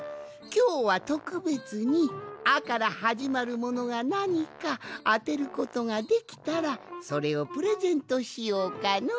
きょうはとくべつに「あ」からはじまるものがなにかあてることができたらそれをプレゼントしようかの。